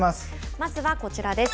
まずはこちらです。